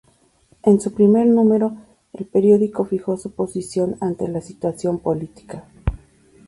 En su primer número el periódico fijó su posición ante la situación política.